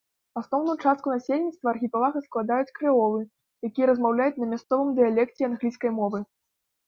Асноўную частку насельніцтва архіпелага складаюць крэолы, якія размаўляюць на мясцовым дыялекце англійскай мовы.